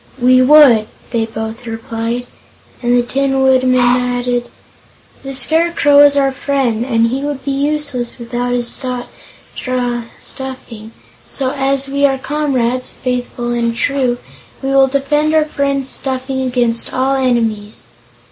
"We would," they both replied, and the Tin Woodman added: "The Scarecrow is our friend, and he would be useless without his straw stuffing. So, as we are comrades, faithful and true, we will defend our friend's stuffing against all enemies."